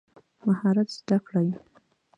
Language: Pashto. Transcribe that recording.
مهارت زده کړئ